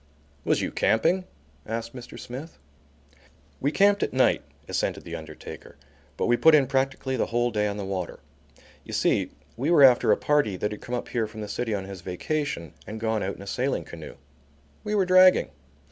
"Was you camping?" asked Mr. Smith. "We camped at night," assented the undertaker, "but we put in practically the whole day on the water. You see we were after a party that had come up here from the city on his vacation and gone out in a sailing canoe. We were dragging.